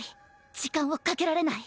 時間をかけられない！